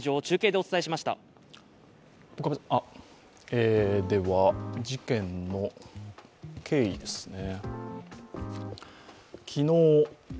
では、事件の経緯ですね。